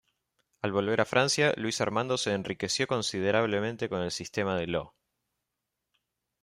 Al volver a Francia, Luis Armando se enriqueció considerablemente con el Sistema de Law.